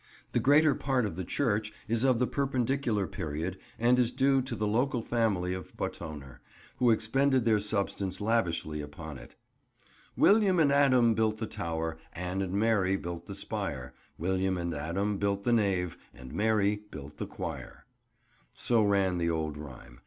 The greater part of the church is of the Perpendicular period and is due to the local family of Botoner, who expended their substance lavishly upon it— "William and Adam built the Tower, Anne and Mary built the Spire; William and Adam built the Nave And Mary built the Quire." So ran the old rhyme.